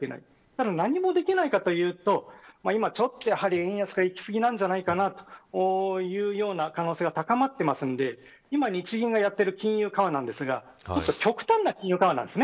ただ、何もできないかというと今は円安がいきすぎなんじゃないかという可能性が高まっているので今、日銀がやっている金融緩和なんですがこれは極端な金融緩和なんです。